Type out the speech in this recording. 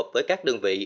và các đơn vị